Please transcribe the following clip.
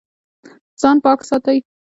ځان پاک ساتئ